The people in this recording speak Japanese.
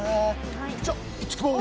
じゃあ行ってきます。